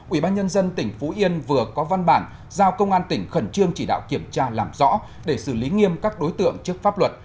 ubnd tỉnh phú yên vừa có văn bản giao công an tỉnh khẩn trương chỉ đạo kiểm tra làm rõ để xử lý nghiêm các đối tượng trước pháp luật